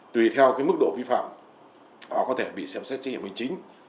tùy theo mức độ vi phạm họ có thể bị xem xét trách nhiệm hình chính